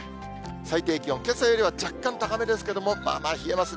最低気温、けさよりは若干高めですけれども、まあまあ冷えますね。